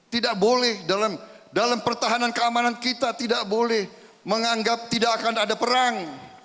tidak boleh dalam pertahanan keamanan kita tidak boleh menganggap tidak akan ada perang